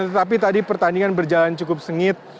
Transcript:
tetapi tadi pertandingan berjalan cukup sengit